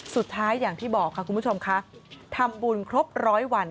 สุดท้ายอย่างที่บอกค่ะคุณผู้ชมค่ะทำบุญครบร้อยวัน